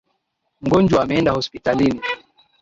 Mgonjwa ameenda hospitalini.